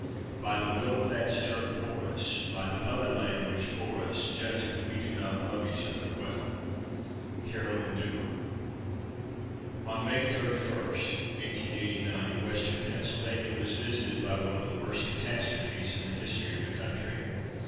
By the will of that stern chorus, By the motherland which bore us, Judge if we do not love each other well. CAROLINE DUER. On May 31, 1889, western Pennsylvania was visited by one of the worst catastrophes in the history of the country.